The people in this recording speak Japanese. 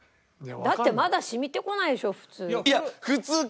だってまだ染みてこないでしょ普通。